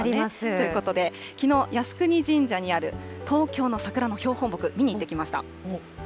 ということで、きのう靖国神社にある東京の桜の標本木、見に行ってきました。